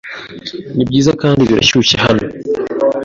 Nibyiza kandi birashyushye hano.